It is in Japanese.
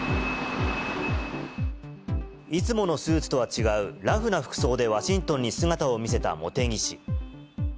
いつものスーツとは違うラフな服装でワシントンに姿を見せた茂木氏。